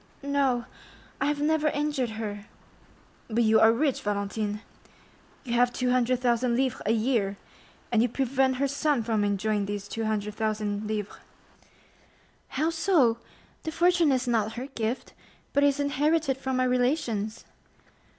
"No, I have never injured her." "But you are rich, Valentine; you have 200,000 livres a year, and you prevent her son from enjoying these 200,000 livres." "How so? The fortune is not her gift, but is inherited from my relations."